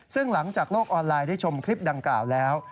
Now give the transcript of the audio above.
ซึ่งหลังจากโลกออนไลน์ได้ชมคลิปดังกล่าวแล้ว